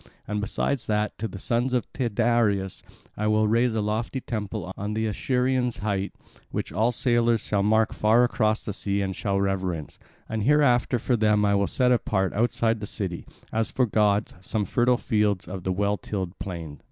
And besides that, to the sons of Tyndareus will I raise a lofty temple on the Acherusian height, which all sailors shall mark far across the sea and shall reverence; and hereafter for them will I set apart outside the city, as for gods, some fertile fields of the well tilled plain."